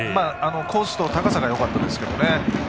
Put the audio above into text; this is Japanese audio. コースと高さがよかったですけどね。